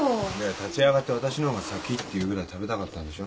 立ち上がってわたしのほうが先って言うぐらい食べたかったんでしょ？